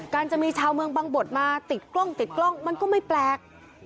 จะมีชาวเมืองบังบทมาติดกล้องติดกล้องมันก็ไม่แปลก